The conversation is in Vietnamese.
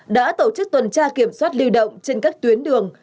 đã tổ chức tuần tra kiểm soát lưu động trên các tuyến đường